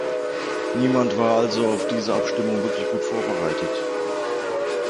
Niemand war also auf diese Abstimmung wirklich gut vorbereitet.